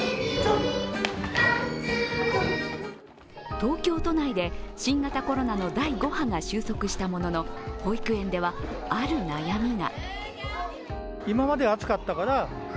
東京都内で新型コロナの第５波が収束したものの保育園では、ある悩みが。